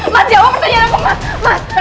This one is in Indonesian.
mas jawa pertanyaan aku mas mas